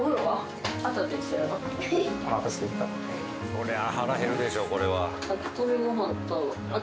そりゃあ腹減るでしょこれは。